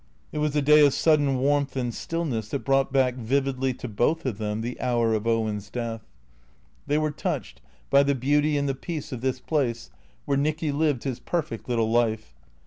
It was a day of sudden warmth and stillness that brought back vividly to both of them the hour of Owen's death. They were touched by the beauty and the peace of this place where Nicky lived his perfect little life.